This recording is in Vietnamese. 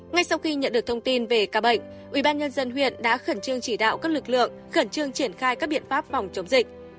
ngay sau khi nhận được thông tin về ca bệnh ubnd huyện đã khẩn trương chỉ đạo các lực lượng khẩn trương triển khai các biện pháp phòng chống dịch